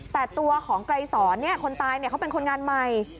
แต่ตัวของไกรสอนคนตายเขาเป็นคนงานใหม่